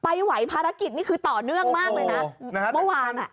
ไหวภารกิจนี่คือต่อเนื่องมากเลยนะเมื่อวานอ่ะ